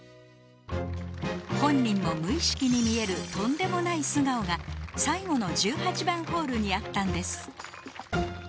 本人も無意識に見えるとんでもない素顔が最後の１８番ホールにあったんです。